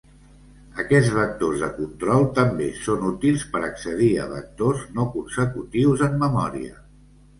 Aquests vectors de control també són útils per accedir a vectors no consecutius en memòria.